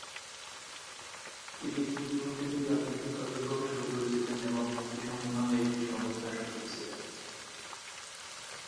তিনি স্কুল জীবন থেকেই রাজনৈতিক কার্যক্রম শুরু করেছিলেন এবং "মুক্তি সংঘ" নামে একটি সংস্থার সচিব ছিলেন।